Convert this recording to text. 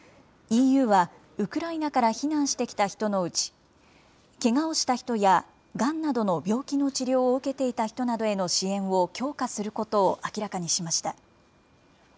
ＥＵは、ウクライナから避難してきた人のうち、けがをした人や、がんなどの病気の治療を受けていた人への支援を強化することを明らかにしました。